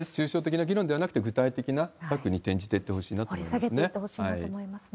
抽象的な議論ではなくて、具体的な策に転じていってほしいなと思いますね。